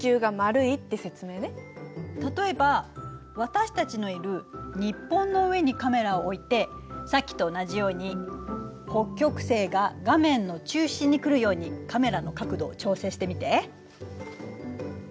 例えば私たちのいる日本の上にカメラを置いてさっきと同じように北極星が画面の中心に来るようにカメラの角度を調整してみて。